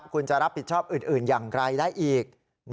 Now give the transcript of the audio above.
คุณจะรับผิดชอบอื่นอย่างไรได้อีก